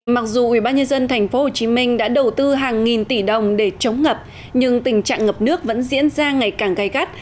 mặc dù ubnd tp hcm đã đầu tư hàng nghìn tỷ đồng để chống ngập nhưng tình trạng ngập nước vẫn diễn ra ngày càng gai gắt